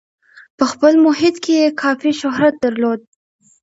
په خپل محیط کې یې کافي شهرت درلود.